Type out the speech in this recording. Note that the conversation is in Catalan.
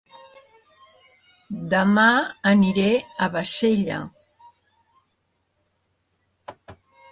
Dema aniré a Bassella